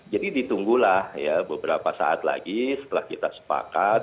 jadi ditunggulah beberapa saat lagi setelah kita sepakat